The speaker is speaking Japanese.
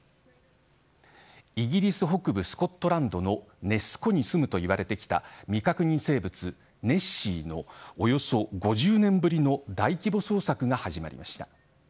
イギリス北部、スコットランドのネス湖にすむといわれてきた未確認生物ネッシーのおよそ５０年ぶりの大規模捜索が始まりました。